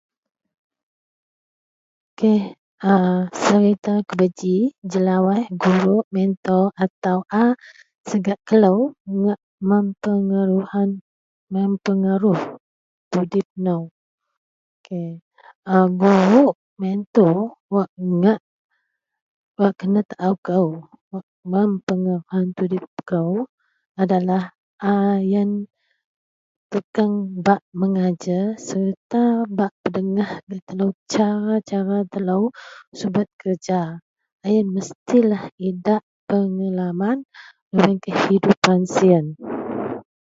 Ok.. a. serita kubeji jelawaih guruk mentor atau a segak telou ngak mempengaruhan, mempengaruh tudip nou. Ok. A guruk mentor wak ngak wak kenataou kou wak mempengaruhan tudip kou adalah a yen tukeng bak mengajer sereta bak pendengah gak telou cara-cara telou subet kerja. A yen mestilah idak pengalaman lubeang kehidupan siyen.